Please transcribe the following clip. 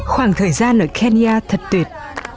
khoảng thời gian ở kenya thật tuyệt